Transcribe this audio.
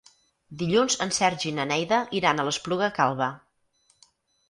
Dilluns en Sergi i na Neida iran a l'Espluga Calba.